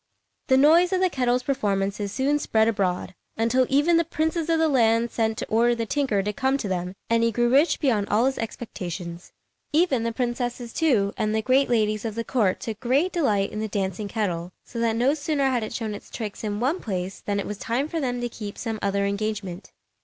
The noise of the kettle's performances soon spread abroad, until even the princes of the land sent to order the tinker to come to them; and he grew rich beyond all his expectations. Even the princesses, too, and the great ladies of the court, took great delight in the dancing kettle, so that no sooner had it shown its tricks in one place than it was time for them to keep some other engagement.